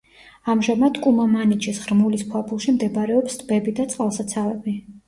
ამჟამად კუმა-მანიჩის ღრმულის ქვაბულში მდებარეობს ტბები და წყალსაცავები.